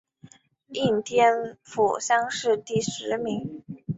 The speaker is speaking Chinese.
应天府乡试第十名。